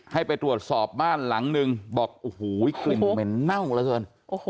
ให้ไปตรวจสอบบ้านหลังนึงบอกโอ้โหกลิ่นเหม็นเน่าเหลือเกิน